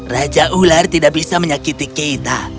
raja ular tidak bisa menyakiti kita